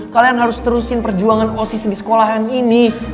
kalian harus terusin perjuangan osis di sekolahan ini